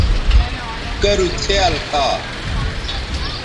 کرُو څھیال کھا